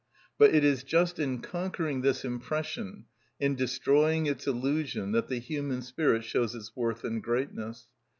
But it is just in conquering this impression, in destroying its illusion, that the human spirit shows its worth and greatness.